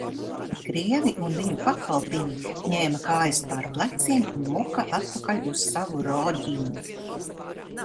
"Krievi un viņu pakalpiņi ņēma kājas pār pleciem un muka atpakaļ uz savu "Roģinu"."